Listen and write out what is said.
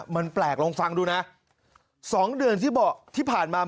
มันแปลกลงฟังดูนะ๒เดือนที่ผ่านมา